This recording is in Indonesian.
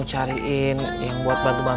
semuanya punya wajah